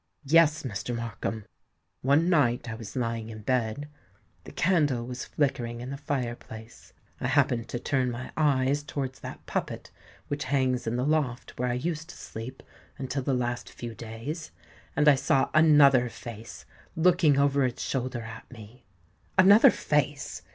"Yes, Mr. Markham. One night I was lying in bed;—the candle was flickering in the fire place;—I happened to turn my eyes towards that puppet which hangs in the loft where I used to sleep until within the last few days,—and I saw another face looking over its shoulder at me." "Another face!"